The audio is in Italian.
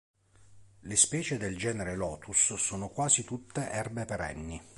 Le specie del genere "Lotus" sono quasi tutte erbe perenni.